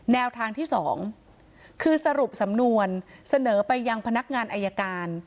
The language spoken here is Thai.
แนวทางที่๒คือสรุปสำนวนเสนอไปยังพนักงานอายการ